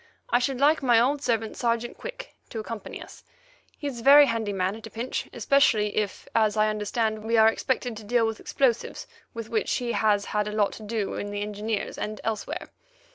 I should like my old servant, Sergeant Quick, to accompany us. He's a very handy man at a pinch, especially if, as I understand, we are expected to deal with explosives with which he has had a lot to do in the Engineers and elsewhere.